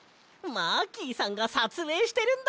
マーキーさんがさつえいしてるんだ。